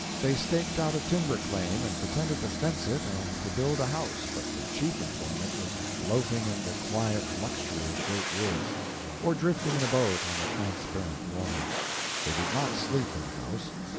They staked out a timber claim and pretended to fence it and to build a house, but their chief employment was loafing in the quiet luxury of the great woods or drifting in a boat on the transparent water. They did not sleep in the house.